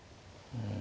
うん。